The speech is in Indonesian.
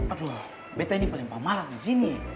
aduh betta ini paling pemalas di sini